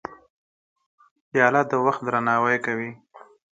پیاله د وخت درناوی کوي.